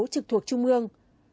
trực thuộc trung ương